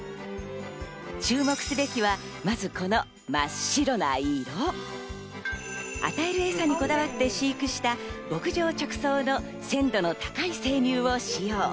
注目すべきは、この真っ白な色。与えるエサにこだわって飼育した、牧場直送の鮮度の高い生乳を使用。